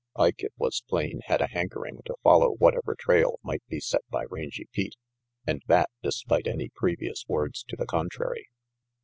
Ike, it was plain, had a hankering to follow whatever trail might be set by Rangy Pete, and that despite any previous words to the contrary.